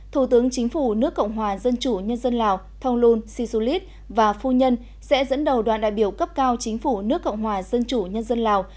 thủ tướng chính phủ nước cộng hòa dân chủ nhân dân lào thong lun si su lít và phu nhân sẽ dẫn đầu đoàn đại biểu cấp cao chính phủ nước cộng hòa dân chủ nhân dân lào